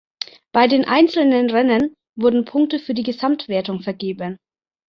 Bei den einzelnen Rennen wurden Punkte für die Gesamtwertung vergeben.